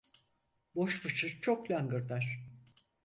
Boş fıçı çok langırdar.